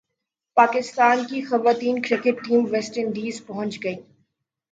پاکستان کی خواتین cricket team West Indies پہنچ گئی